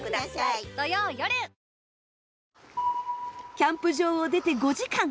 キャンプ場を出て５時間。